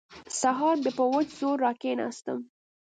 سهار بيا په وچ زور راکښېناستم.